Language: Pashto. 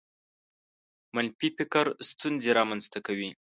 منفي فکر ستونزې رامنځته کوي.